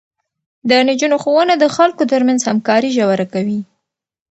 د نجونو ښوونه د خلکو ترمنځ همکاري ژوره کوي.